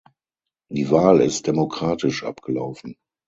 Die Wahl ist demokratisch abgelaufen.